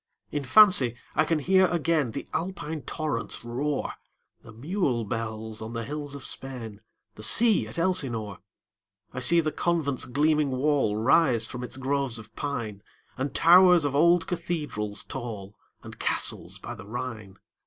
In fancy I can hear again The Alpine torrent's roar, The mule bells on the hills of Spain, 15 The sea at Elsinore. I see the convent's gleaming wall Rise from its groves of pine, And towers of old cathedrals tall, And castles by the Rhine.